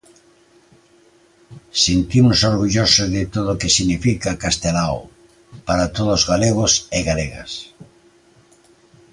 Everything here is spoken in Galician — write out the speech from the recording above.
Sentímonos orgullosos de todo o que significa Castelao para todos os galegos e galegas.